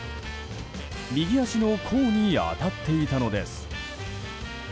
右足の甲に当たっていたのです。